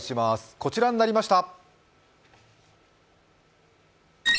こちらになりました。